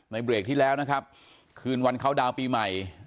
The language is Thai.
เบรกที่แล้วนะครับคืนวันเข้าดาวน์ปีใหม่